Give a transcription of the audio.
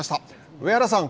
上原さん